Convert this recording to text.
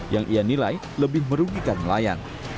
yang ia nilai lebih merugikan nelayan